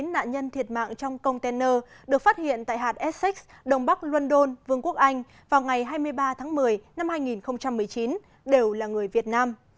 chín nạn nhân thiệt mạng trong container được phát hiện tại hạt essex đông bắc london vương quốc anh vào ngày hai mươi ba tháng một mươi năm hai nghìn một mươi chín đều là người việt nam